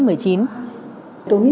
tôi nghĩ rằng